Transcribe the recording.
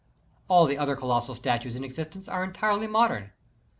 AU^the other colossal statues in existence are entirely modern.